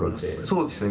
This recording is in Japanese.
そうですね。